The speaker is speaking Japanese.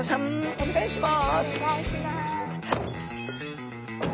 お願いします。